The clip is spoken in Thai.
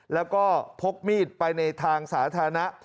แล้วก็พกมีดไปในทางสาธารณะ